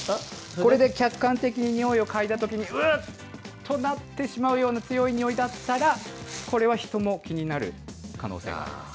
これで客観的ににおいを嗅いだときに、うっとなってしまう強いにおいだったら、これは人も気になる可能性があります。